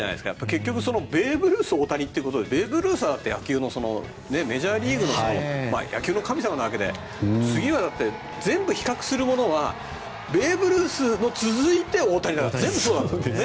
結局、ベーブ・ルース大谷ということでベーブ・ルースは野球の、メジャーリーグの野球の神様なわけで次は、全部比較するものはベーブ・ルースに続いて大谷だから、全部そうだから。